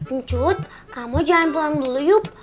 uncut kamu jalan pulang dulu yuk